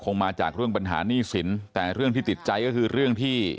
มาจากเรื่องปัญหาหนี้สินแต่เรื่องที่ติดใจก็คือเรื่องที่